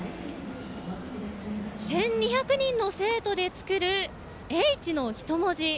１２００人の生徒で作るＨの人文字。